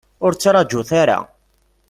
Ur ttraǧut ara.